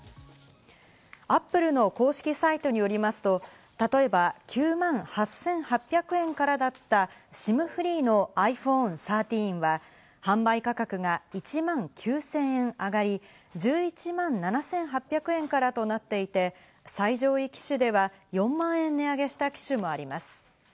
Ａｐｐｌｅの公式サイトによりますと例えば９万８８００円からだったＳＩＭフリーのｉＰｈｏｎｅ１３は、販売価格が１万９０００円上がり、１１万７８００円からとなっていて、最上位機種では４万円値上げした機種もあります。